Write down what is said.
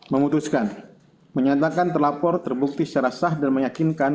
memutuskan menyatakan terlapor terbukti secara sah dan meyakinkan